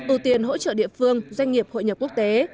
ưu tiên hỗ trợ địa phương doanh nghiệp hội nhập quốc tế